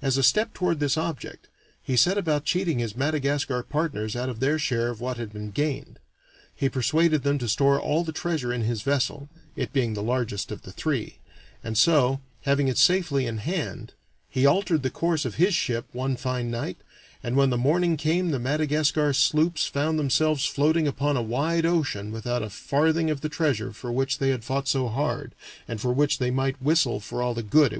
As a step toward this object, he set about cheating his Madagascar partners out of their share of what had been gained. He persuaded them to store all the treasure in his vessel, it being the largest of the three; and so, having it safely in hand, he altered the course of his ship one fine night, and when the morning came the Madagascar sloops found themselves floating upon a wide ocean without a farthing of the treasure for which they had fought so hard, and for which they might whistle for all the good it would do them.